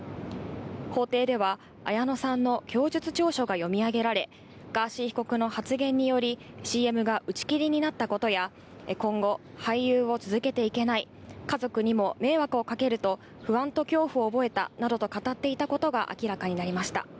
法廷では、綾野さんの供述調書が読み上げられ、ガーシー被告の発言により、ＣＭが打ち切りになったことや、今後、俳優を続けていけない、家族にも迷惑をかけると、不安と恐怖を覚えたなどと語っていたことが明らかになりました。